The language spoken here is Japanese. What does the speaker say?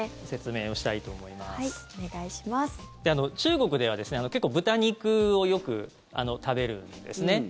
中国では、結構豚肉をよく食べるんですね。